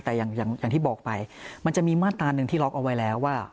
แต่อย่างที่บอกไปมันจะมีมาตราหนึ่งที่ล็อกเอาไว้แล้วว่า